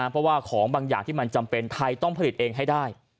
เพราะว่าของบางอย่างที่มันจำเป็นไทยต้องผลิตเองให้ได้